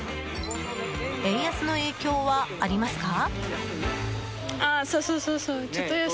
円安の影響はありますか？